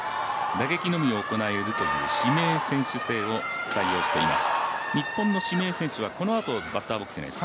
打撃のみ行えるという指名選手制を採用しています。